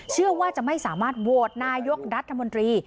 เชื่อว่าจะไม่สามารถโหวตนายกรัฐมนตรี